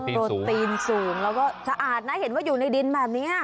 โปรตีนสูงแล้วก็สะอาดนะเห็นว่าอยู่ในดินแบบนี้